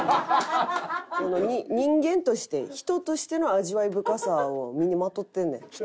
人間として人としての味わい深さを身にまとってんねん。